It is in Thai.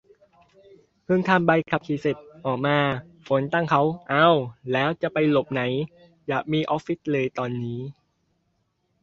เพิ่งทำใบขับขี่เสร็จ ออกมา ฝนตั้งเค้า เอ้า แล้วจะไปหลบไหน อยากมีออฟฟิศเลยตอนนี้